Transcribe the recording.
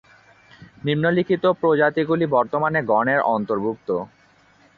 নিম্নলিখিত প্রজাতিগুলি বর্তমানে গণের অন্তর্ভুক্ত।